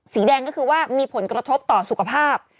แดงก็คือว่ามีผลกระทบต่อสุขภาพ